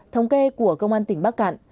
thống kê của công an tỉnh bắc cạn